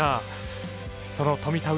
その富田